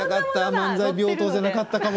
「漫才病棟」じゃなかったかも。